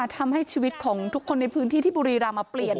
ทำให้ชีวิตของทุกคนในพื้นที่ที่บุรีรำมาเปลี่ยน